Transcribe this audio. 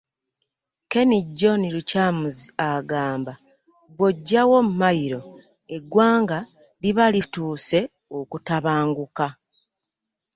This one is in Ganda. Ken John Lukyamuzi agamba bw'oggyawo mayiro eggwanga liba lituuse okutabanguka.